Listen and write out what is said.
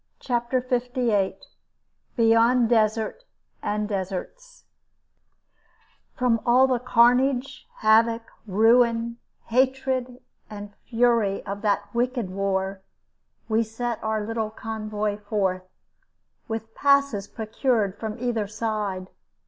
CHAPTER LVIII BEYOND DESERT, AND DESERTS From all the carnage, havoc, ruin, hatred, and fury of that wicked war we set our little convoy forth, with passes procured from either side.